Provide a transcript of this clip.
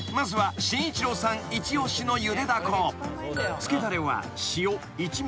［つけだれは］